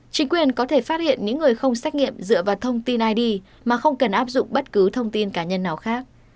chính quyền có thể phát hiện những người không xét nghiệm dựa vào thông tin id mà không cần áp dụng bất cứ thông tin cá nhân nào khác